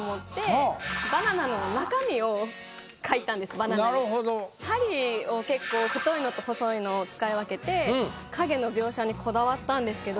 バナナ好きの次男に針を結構太いのと細いのを使い分けて影の描写にこだわったんですけど。